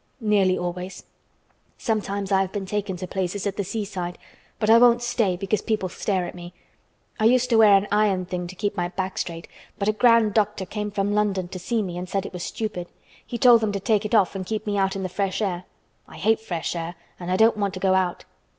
"Nearly always. Sometimes I have been taken to places at the seaside, but I won't stay because people stare at me. I used to wear an iron thing to keep my back straight, but a grand doctor came from London to see me and said it was stupid. He told them to take it off and keep me out in the fresh air. I hate fresh air and I don't want to go out."